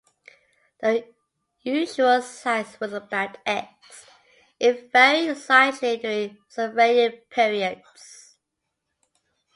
The usual size was about X - it varied slightly during surveying periods.